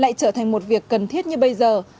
lại trở thành một việc cần thiết như bây giờ